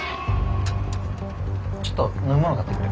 ちょっと飲み物買ってくる。